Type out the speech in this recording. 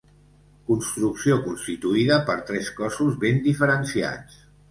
Construcció constituïda per tres cossos ben diferenciats.